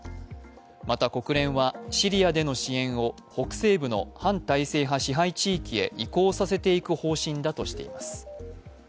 また国連は、シリアでの支援を北西部の反体制派支配地域へ移行させていく方針だとしています。